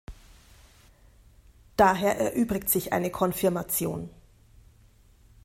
Daher erübrigt sich eine Konfirmation.